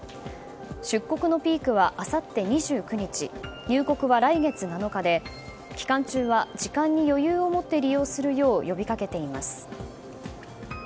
出国のピークはあさって２９日入国は来月７日で期間中は時間に余裕を持って利用するよう呼びかけています。